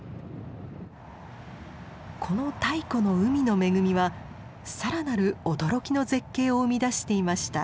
この太古の海の恵みは更なる驚きの絶景を生み出していました。